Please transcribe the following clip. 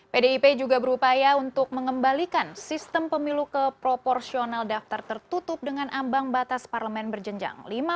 pdip juga berupaya untuk mengembalikan sistem pemilu ke proporsional daftar tertutup dengan ambang batas parlemen berjenjang